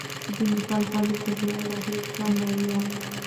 د نېپال ښځو په دې اړه هېڅ ونه ویل.